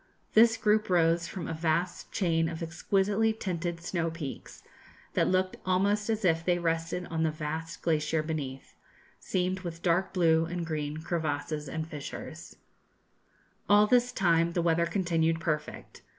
This group rose from a vast chain of exquisitely tinted snow peaks, that looked almost as if they rested on the vast glacier beneath, seamed with dark blue and green crevasses and fissures. [Illustration: Two peaked Mountain.] All this time the weather continued perfect.